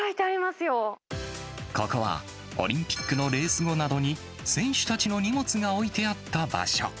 ここは、オリンピックのレース後などに選手たちの荷物が置いてあった場所。